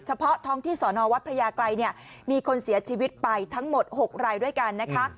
เพาะท้องที่สอนอวัดพระยากรัยเนี่ยมีคนเสียชีวิตไปทั้งหมด๖รายด้วยกันนะคะ